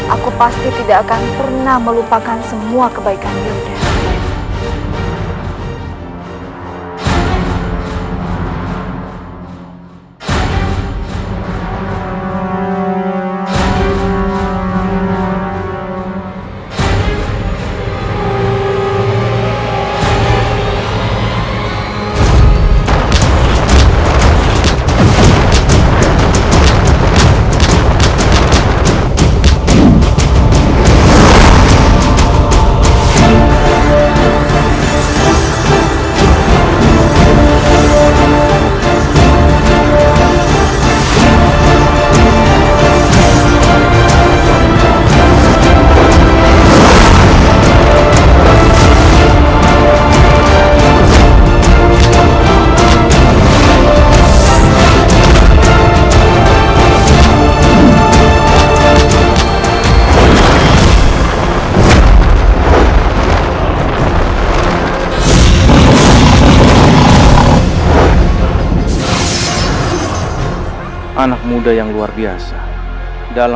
aku pasti tidak akan pernah melupakan semua kebaikan yunda